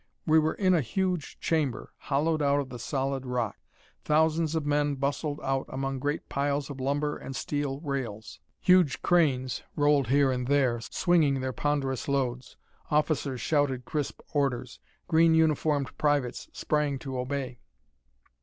We were in a huge chamber, hollowed out of the solid rock. Thousands of men bustled out among great piles of lumber and steel rails. Huge cranes rolled here and there, swinging their ponderous loads. Officers shouted crisp orders. Green uniformed privates sprang to obey.